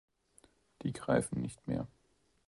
Die greifen nicht mehr.